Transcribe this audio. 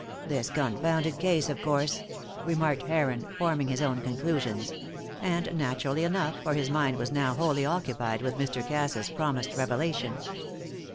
"This confounded case, of course!" remarked Heron, forming his own conclusions; and naturally enough, for his mind was now wholly occupied with Mr. Cass's promised revelation.